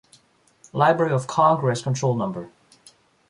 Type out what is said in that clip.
Library of Congress Control Number